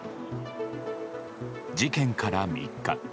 事件から３日。